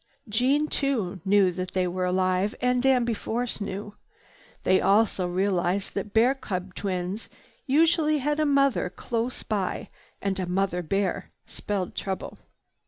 Jeanne too knew they were alive, and Danby Force knew. They also realized that bear cub twins usually had a mother close by, and a mother bear spelled trouble.